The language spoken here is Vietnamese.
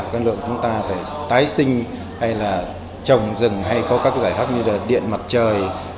cái lượng chúng ta phải tái sinh hay là trồng rừng hay có các giải pháp như là điện mặt trời